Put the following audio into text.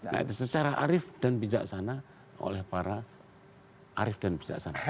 nah itu secara arif dan bijaksana oleh para arif dan bijaksana